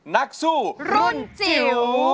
นักสู้รุ่นจิ๋ว